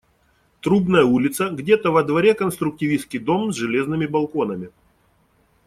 Трубная улица, где-то во дворе конструктивистский дом, с железными балконами.